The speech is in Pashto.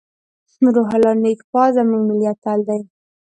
روح الله نیکپا زموږ ملي اتل دی.